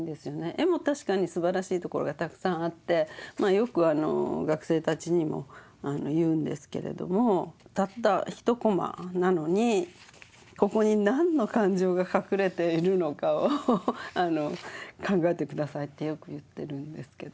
絵も確かにすばらしいところがたくさんあってよく学生たちにも言うんですけれどもたった一コマなのにここに何の感情が隠れているのかを考えて下さいってよく言ってるんですけど。